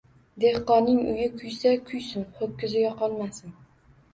Dehqonning uyi kuysa kuysin, ho‘kizi yo‘qolmasin